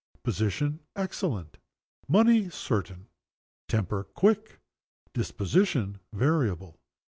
Position, excellent. Money, certain. Temper, quick. Disposition, variable.